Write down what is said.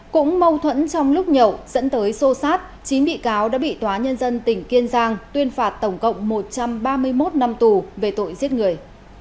cũng mâu thuẫn trong lúc nhậu dẫn tới sô sát chín bị cáo đã bị tòa nhân dân tỉnh kiên giang tuyên phạt tổng cộng một trăm ba mươi một năm tù về tội giết người